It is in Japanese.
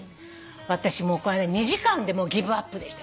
私もうこの間２時間でギブアップでしたよ。